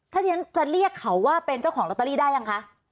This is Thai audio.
ถ้าที่ฉันจะเรียกเขาว่าเป็นเจ้าของลอตเตอรี่ได้ยังคะ